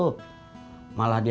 apa dah udah kminu